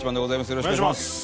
よろしくお願いします。